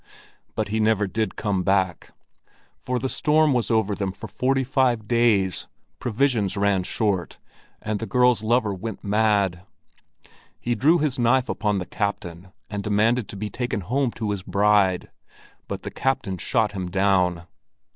But he never did come back, for the storm was over them for forty five days, provisions ran short, and the girl's lover went mad. He drew his knife upon the captain, and demanded to be taken home to his bride; and the captain shot him down.